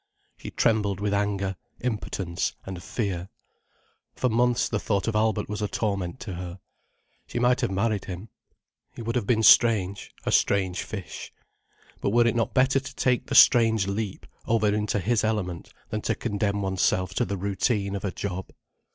She trembled with anger, impotence, and fear. For months, the thought of Albert was a torment to her. She might have married him. He would have been strange, a strange fish. But were it not better to take the strange leap, over into his element, than to condemn oneself to the routine of a job?